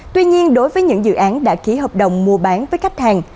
tuy nhiên đối với những dự án đã ký hợp đồng mua bán với khách hàng